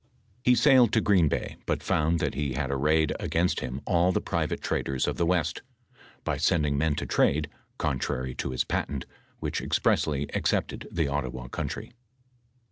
He sailed to Green bay, bnt f<jund that he had arrayed against him all tbe private traders of the west, by sending men to trade, contrary to his patent, which expressly excepted the Ottawa country.